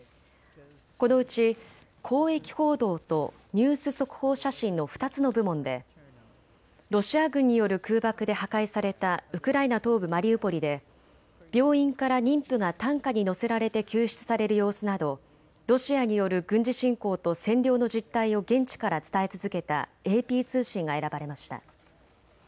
このうち公益報道とニュース速報写真の２つの部門でロシア軍による空爆で破壊されたウクライナ東部マリウポリで病院から妊婦が担架に乗せられて救出される様子などロシアによる軍事侵攻と占領の実態を現地から伝え続けたＡＰ通信が選ばれました。